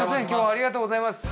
ありがとうございます。